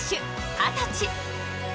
二十歳。